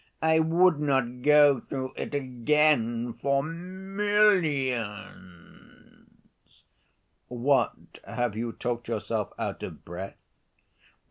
I would not go through it again for millions!" "What, have you talked yourself out of breath?"